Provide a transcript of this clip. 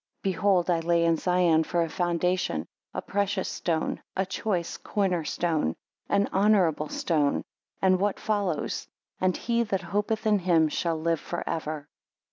Behold I lay in Zion for a foundation, a precious stone a choice corner stone; an honourable stone. And what follows? And he that hopeth in him shall live for ever.